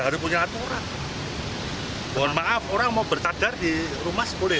harus punya aturan mohon maaf orang mau bersadar di rumah sepulih